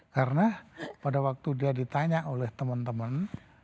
karena pada waktu dia ditanya oleh teman teman